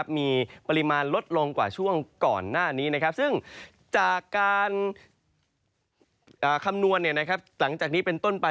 มีปริมาณลดลงกว่าช่วงก่อนหน้านี้ซึ่งจากการคำนวณหลังจากนี้เป็นต้นไป